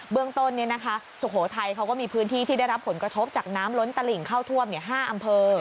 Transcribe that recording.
เรื่องต้นสุโขทัยเขาก็มีพื้นที่ที่ได้รับผลกระทบจากน้ำล้นตลิ่งเข้าท่วม๕อำเภอ